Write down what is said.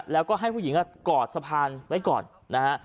แล้วก็ให้ผู้หญิงกอดสะพานไว้ก่อนนะฮะ